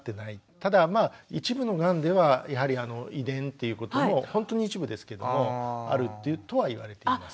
ただまあ一部のがんではやはり遺伝っていうこともほんとに一部ですけれどもあるっていうとは言われています。